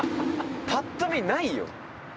ぱっと見ないよ。